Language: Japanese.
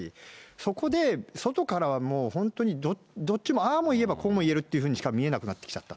そこで外からはもう本当にどっちもああも言えばこうも言えるというふうにしか見えなくなってきちゃった。